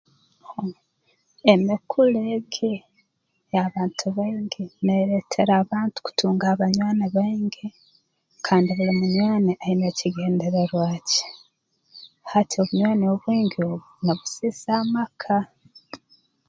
Mmh emikura egi ey'abantu baingi neeretera abantu kutunga abanywani baingi kandi buli munywani aine ekigenderwa kye hati obunywani obwingi obu nubusiisa amaka